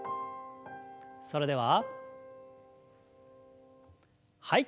それでははい。